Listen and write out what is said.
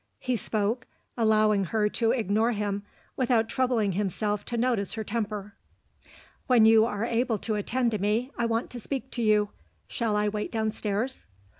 He spoke allowing her to ignore him without troubling himself to notice her temper. "When you are able to attend to me, I want to speak to you. Shall I wait downstairs?"